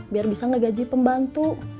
biar bisa ngegaji pembalasan